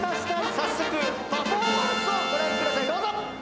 早速パフォーマンスをご覧くださいどうぞ！